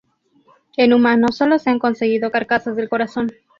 En humanos sólo se han conseguido carcasas del corazón.